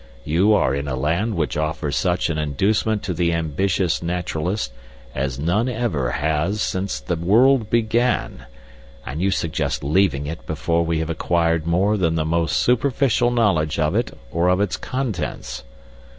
You are in a land which offers such an inducement to the ambitious naturalist as none ever has since the world began, and you suggest leaving it before we have acquired more than the most superficial knowledge of it or of its contents.